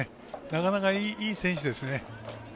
なかなかいい選手ですよね。